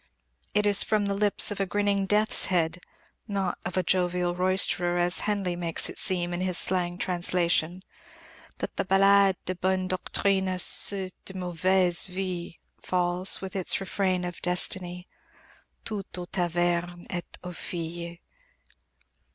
It is from the lips of a grinning death's head not of a jovial roysterer, as Henley makes it seem in his slang translation that the Ballade de bonne Doctrine à ceux de mauvaise Vie falls, with its refrain of destiny: Tout aux tavernes et aux filles.